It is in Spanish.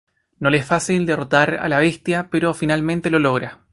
No le es fácil derrotar a la bestia, pero finalmente lo logra.